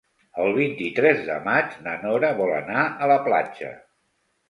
El vint-i-tres de maig na Nora vol anar a la platja.